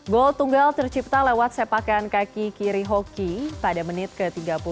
gol tunggal tercipta lewat sepakan kaki kiri hoki pada menit ke tiga puluh